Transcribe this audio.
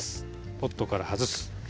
ポットから外す。